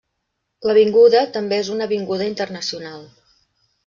L'avinguda també és una avinguda internacional.